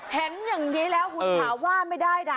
เห็นอย่างนี้แล้วคุณถามว่าไม่ได้นะ